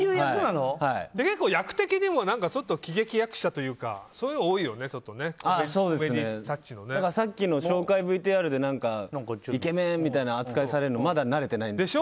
結構、役的にもちょっと喜劇役者というかそうですね。さっきの紹介ＶＴＲでイケメンみたいな扱いされるのまだ慣れてないです。